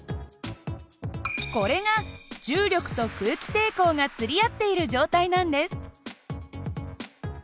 これが重力と空気抵抗が釣り合っている状態なんです。